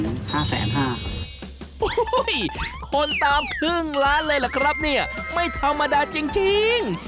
โอ้โหคนตามครึ่งล้านเลยล่ะครับเนี่ยไม่ธรรมดาจริง